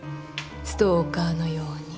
ストーカーのように。